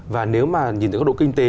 và nếu mà nhìn được góc độ kinh tế